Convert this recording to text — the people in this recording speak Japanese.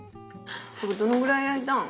これどのぐらい焼いたん？